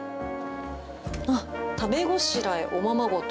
「食べごしらえおままごと」。